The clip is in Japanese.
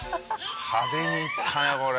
派手にいったねこれ。